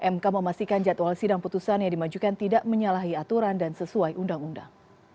mk memastikan jadwal sidang putusan yang dimajukan tidak menyalahi aturan dan sesuai undang undang